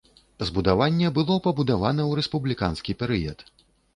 Збудаванне было пабудавана ў рэспубліканскі перыяд.